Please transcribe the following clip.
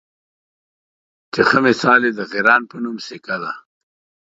چې ښۀ مثال یې د غران پۀ نوم سیکه ده